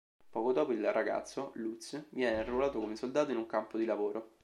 Poco dopo, il ragazzo, Lutz, viene arruolato come soldato in un campo di lavoro.